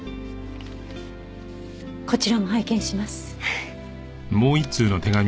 こちらも拝見します。